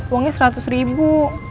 uangnya seratus ribu